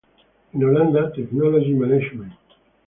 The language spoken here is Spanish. En Holanda, "Technology Management".